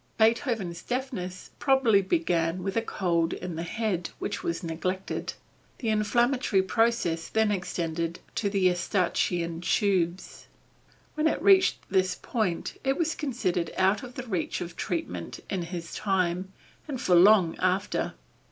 Beethoven's deafness probably began with a "cold in the head" which was neglected. The inflammatory process then extended to the Eustachian tubes. When it reached this point it was considered out of the reach of treatment in his time, and for long after.